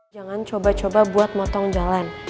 jangan coba coba buat motong jalan